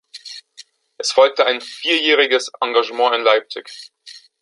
Es folgte ein vierjähriges Engagement in Leipzig.